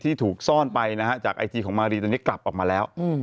ถูกซ่อนไปนะฮะจากไอจีของมารีตอนนี้กลับออกมาแล้ว